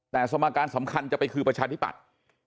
แต่สมการสำคัญจะไปคือประชาธิปัตย์